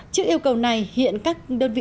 trước yêu cầu này hiện các đơn vị